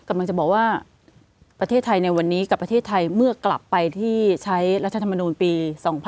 กำลังจะบอกว่าประเทศไทยในวันนี้กับประเทศไทยเมื่อกลับไปที่ใช้รัฐธรรมนูลปี๒๕๖๒